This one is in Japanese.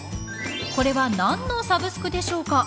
これは何のサブスクでしょうか。